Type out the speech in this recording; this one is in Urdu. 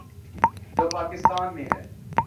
جو پاکستان میں ہے۔